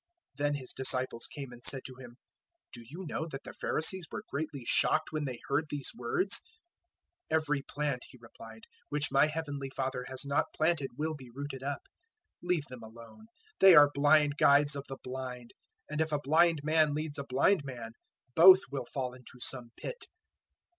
015:012 Then His disciples came and said to Him, "Do you know that the Pharisees were greatly shocked when they heard those words?" 015:013 "Every plant," He replied, "which my Heavenly Father has not planted will be rooted up. 015:014 Leave them alone. They are blind guides of the blind; and if a blind man leads a blind man, both will fall into some pit."